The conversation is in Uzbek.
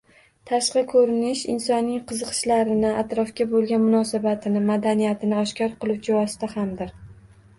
Tashqi ko`rinish insonning qiziqishlarini, atrofga bo`lgan munosabatini, madaniyatini oshkor qiluvchi vosita hamdir